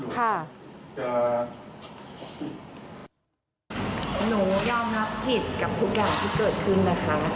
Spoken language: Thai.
หนูยอมรับผิดกับทุกอย่างที่เกิดขึ้นนะคะ